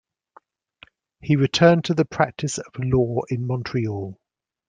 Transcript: He returned to the practice of law in Montreal.